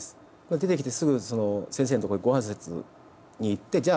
出てきてすぐ先生のとこへご挨拶に行ってじゃあ